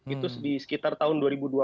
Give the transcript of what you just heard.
itu di sekitar tahun dua ribu dua puluh